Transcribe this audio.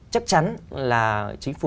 chắc chắn là chính phủ